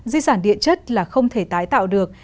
di sản điện chất là không thể tái tạo được